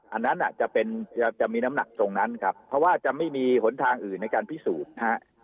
อันนั้นจะเป็นจะมีน้ำหนักตรงนั้นครับเพราะว่าจะไม่มีหนทางอื่นในการพิสูจน์นะฮะ